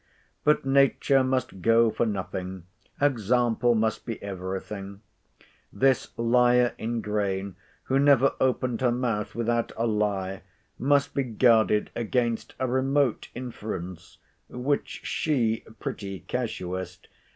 But nature must go for nothing: example must be every thing. This liar in grain, who never opened her mouth without a lie, must be guarded against a remote inference, which she (pretty casuist!)